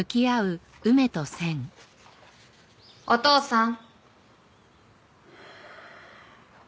お父さん。